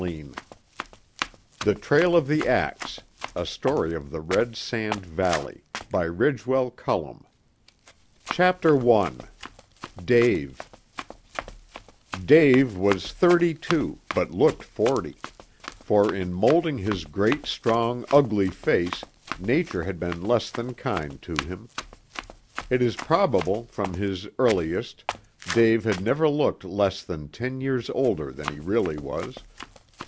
In the Dugout XXXI. At Midnight XXXII. Two Men and a Woman The Trail of the Axe CHAPTER I DAVE Dave was thirty two, but looked forty; for, in moulding his great, strong, ugly face, Nature had been less than kind to him. It is probable, from his earliest, Dave had never looked less than ten years older than he really was.